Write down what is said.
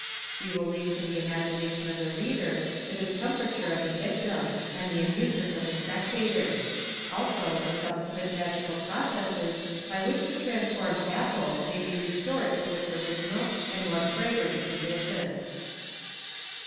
We will leave to the imagination of the reader the discomfiture of the victim, and the amusement of the spectators j also the subsequent magical processes by which the transformed apple may be restored to its original and more fragrant condition.